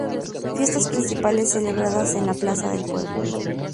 Fiestas principales celebradas en la plaza del pueblo.